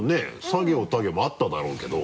サ行タ行もあっただろうけど。